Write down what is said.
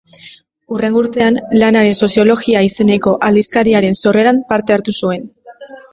Hurrengo urtean, Lanaren Soziologia izeneko aldizkariaren sorreran parte hartu zuen.